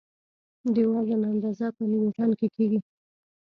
د وزن اندازه په نیوټن کې کېږي.